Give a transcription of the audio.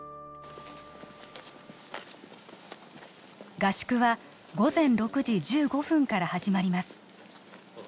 合宿は午前６時１５分から始まります